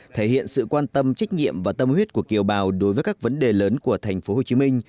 thể hiện sự quan tâm trách nhiệm và tâm huyết của kiều bào đối với các vấn đề lớn của thành phố hồ chí minh